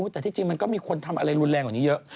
แต่ที่จริงมันก็มีคนทำอะไรรุนแรงกว่านี้เยอะ